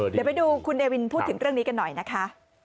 เดี๋ยวไปดูคุณเดวินพูดถึงเรื่องนี้กันหน่อยนะคะ